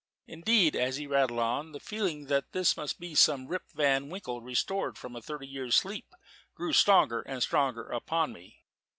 Indeed, as he rattled on, the feeling that this must be some Rip Van Winkle restored from a thirty years' sleep grew stronger and stronger upon me.